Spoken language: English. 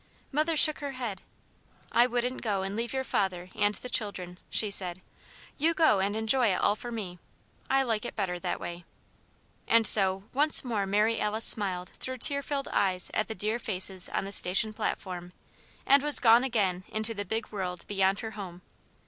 Mother shook her head. "I wouldn't go and leave your father and the children," she said. "You go and enjoy it all for me. I like it better that way." And so, once more Mary Alice smiled through tear filled eyes at the dear faces on the station platform, and was gone again into the big world beyond her home.